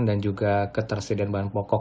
dan juga ketersediaan bahan pokok